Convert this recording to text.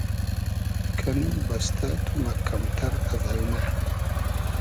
کئنو بئستۂ تو مئکئم تئر از النۂ